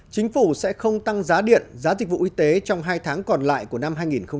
chính phủ sẽ không tăng giá điện giá dịch vụ y tế trong hai tháng còn lại của năm hai nghìn hai mươi